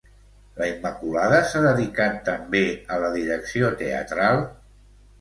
La Immaculada s'ha dedicat també a la direcció teatral?